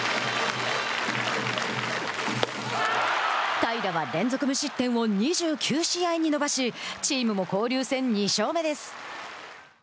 平良は連続無失点を２９試合に伸ばしチームも交流戦２勝目です。